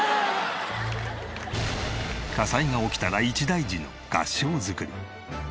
火災が起きたら一大事の合掌造り。